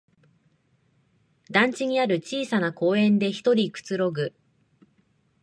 団地にある小さな公園でひとりくつろぐ